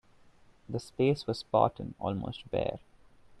The space was spartan, almost bare.